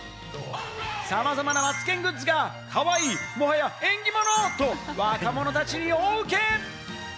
さまざまなマツケングッズがかわいい、もはや縁起物と若者たちに大ウケ！